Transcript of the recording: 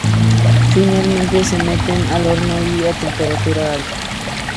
Finalmente, se meten al horno a temperatura alta.